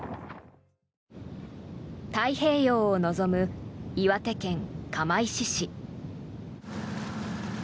太平洋を望む岩手県釜石市。